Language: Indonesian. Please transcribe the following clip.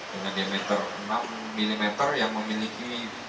dengan diameter enam mm yang memiliki